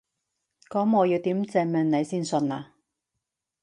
噉我要點證明你先信啊？